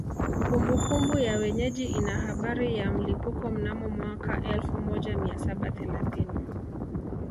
Kumbukumbu ya wenyeji ina habari ya mlipuko mnamo mwaka elfu moja mia saba thelathini